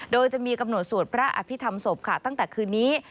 โดยจะมีกำหนดสวดพระอภิษฐรรมศพค่ะตั้งแต่คืนนี้